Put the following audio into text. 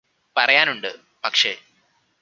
പറയാനുണ്ട് പക്ഷേ